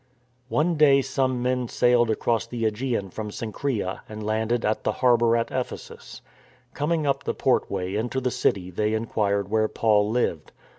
One day some men sailed across the ^gean from Cenchreae and landed at the harbour at Ephesus. Coming up the portway into the city they inquired where Paul lived.